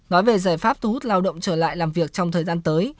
nói về giải pháp thu hút lao động trở lại làm việc trong thời gian tới